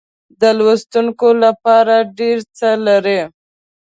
د لوستونکو لپاره ډېر څه لري.